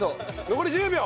残り１０秒！